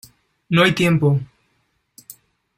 ¡ no hay tiempo!